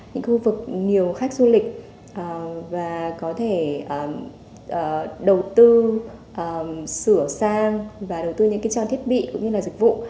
những khu vực nhiều khách du lịch và có thể đầu tư sửa sang và đầu tư những trang thiết bị cũng như là dịch vụ